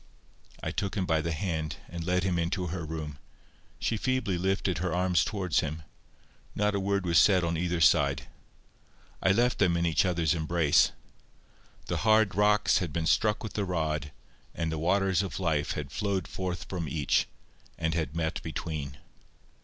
I took him by the hand, and led him into her room. She feebly lifted her arms towards him. Not a word was said on either side. I left them in each other's embrace. The hard rocks had been struck with the rod, and the waters of life had flowed forth from each, and had met between.